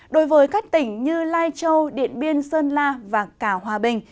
đối với các tỉnh như lai châu điện biên sơn la và cả hòa bình